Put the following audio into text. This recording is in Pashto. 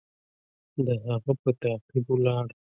د هغه په تعقیب ولاړ.